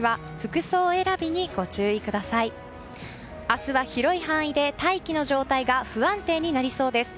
明日は広い範囲で大気の状態が不安定になりそうです。